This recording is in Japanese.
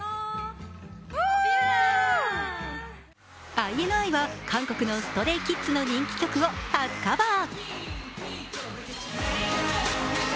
ＩＮＩは韓国のＳｔｒａｙＫｉｄｓの人気曲を初カバー。